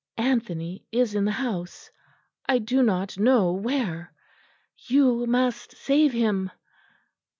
Anthony is in the house; I do not know where. You must save him."